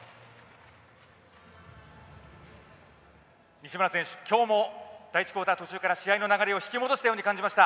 西村選手、きょうも第１クオーター途中から試合の流れを引き戻したように感じました。